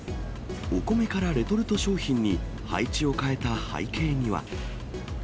お米からレトルト商品に配置を変えた背景には。